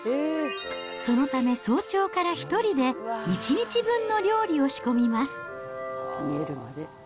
そのため、早朝から１人で、１日分の料理を仕込みます。